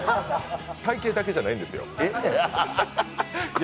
体形だけじゃないですよ。